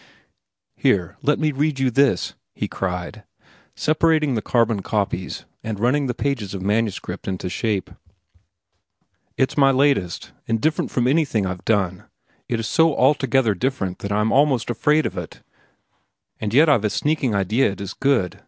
"Here, let me read you this," he cried, separating the carbon copies and running the pages of manuscript into shape. "It's my latest, and different from anything I've done. It is so altogether different that I am almost afraid of it, and yet I've a sneaking idea it is good.